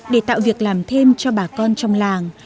để tạo việc làm thêm cho bà con trong làng